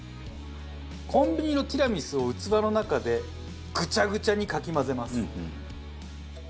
コンビニのティラミスを器の中でグチャグチャにかき混ぜます。